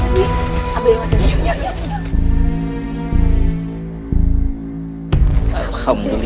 sampai jumpa di video selanjutnya